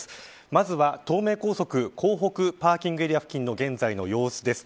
まずは東名高速港北パーキングエリア付近の様子です。